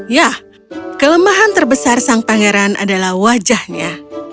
ya kelemahan terbesar sang pangeran adalah wajahnya